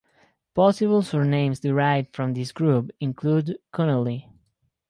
Possible surnames derived from this group include Connolly.